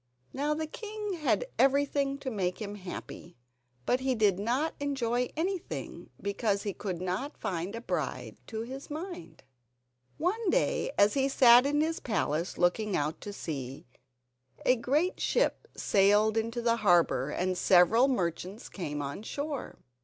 Now the king had everything to make him happy, but he did not enjoy anything because he could not find a bride to his mind. One day, as he sat in his palace looking out to sea, a great ship sailed into the harbour and several merchants came on shore.